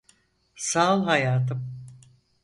Sağ ol hayatım.